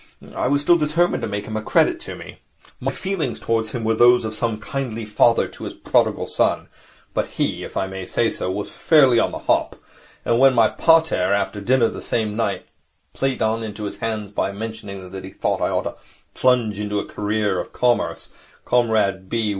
I was still determined to make him a credit to me. My feelings towards him were those of some kindly father to his prodigal son. But he, if I may say so, was fairly on the hop. And when my pater, after dinner the same night, played into his hands by mentioning that he thought I ought to plunge into a career of commerce, Comrade B.